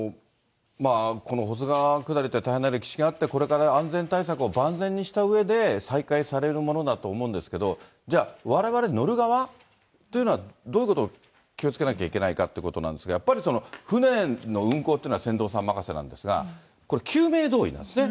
この保津川下りって、大変な歴史があって、これから安全対策を万全にしたうえで、再開されるものだと思うんですけど、じゃあ、われわれ乗る側というのはどういうことを気をつけなければいけないかということなんですけど、やっぱり船の運航っていうのは船頭さん任せなんですが、これ、救命胴衣なんですね。